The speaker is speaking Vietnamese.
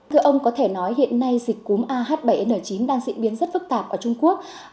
thưa ông có thể nói hiện nay dịch cúm ah bảy n chín đang diễn biến rất phức tạp ở trung quốc